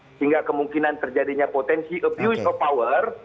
sehingga kemungkinan terjadinya potensi abuse of power